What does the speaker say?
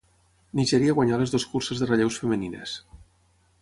Nigèria guanyà les dues curses de relleus femenines.